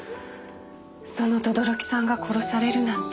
その轟さんが殺されるなんて。